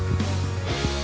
pembangunan kain cibori